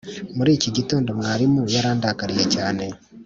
muri iki gitondo, mwarimu yarandakariye cyane.